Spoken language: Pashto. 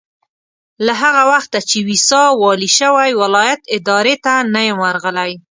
له هغه وخته چې ويساء والي شوی ولایت ادارې ته نه یم ورغلی.